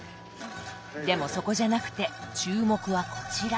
でもそこじゃなくて注目はこちら！